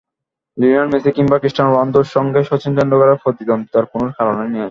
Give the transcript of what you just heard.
Lionel Messi কিংবা Cristiano রোনালদোর সঙ্গে শচীন টেন্ডুলকারের প্রতিদ্বন্দ্বিতার কোনো কারণই নেই।